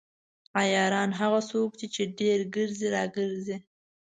عیاران هغه څوک دي چې ډیر ګرځي راګرځي.